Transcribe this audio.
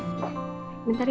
aku suapin ya pa